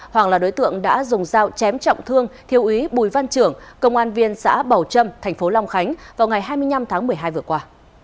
hoàng là đối tượng đã dùng dao chém trọng thương thiêu úy bùi văn trưởng công an viên xã bầu trâm thành phố long khánh vào ngày hai mươi năm tháng một mươi hai vừa qua